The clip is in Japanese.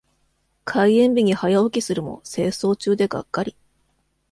開園日に早起きするも清掃中でがっかり。